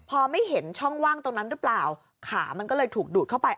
พอไม่เห็นช่องว่างตรงนั้นหรือเปล่าขามันก็เลยถูกดูดเข้าไป